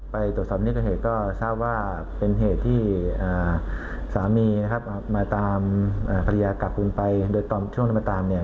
ไปตรวจสอบนิดเหตุก็ทราบว่าเป็นเหตุที่สามีนะครับมาตามภรรยากลับลงไปโดยตอนช่วงที่มาตามเนี่ย